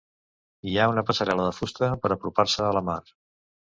Hi ha una passarel·la de fusta per apropar-se a la mar.